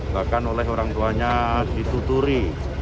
bahkan oleh orang tuanya ditutupi